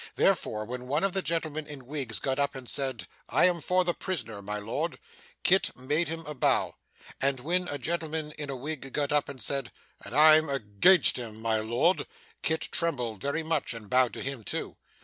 Therefore, when one of the gentlemen in wigs got up and said 'I am for the prisoner, my Lord,' Kit made him a bow; and when another gentleman in a wig got up and said 'And I'm against him, my Lord,' Kit trembled very much, and bowed to him too.